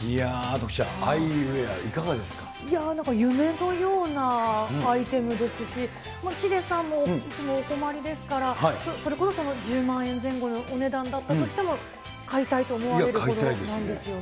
徳ちゃん、アイウエいやー、なんか夢のようなアイテムですし、ヒデさんもいつもお困りですから、それこそ１０万円前後のお値段だったとしても、買いたいと思われるほどなんですよね。